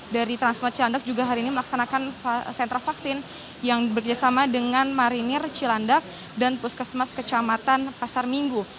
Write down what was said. dari transmar cilandak juga hari ini melaksanakan sentra vaksin yang bekerjasama dengan marinir cilandak dan puskesmas kecamatan pasar minggu